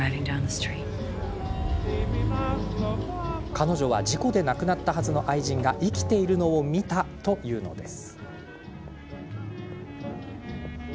彼女は事故で亡くなったはずの愛人が生きているのを見たと言うのです。